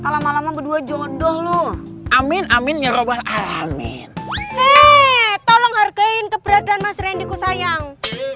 lama lama berdua jodoh lu amin amin nyoroban amin tolong hargain keberadaan mas rendyku sayang